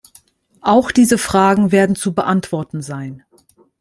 Auch diese Fragen werden zu beantworten sein.